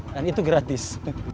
dan itu gratis